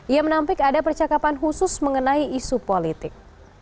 ia menampik ada percakapan khusus mengenai isu politik